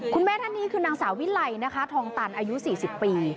คุณแม่ท่านนี้คือนางสาววิไลนะคะทองตันอายุ๔๐ปี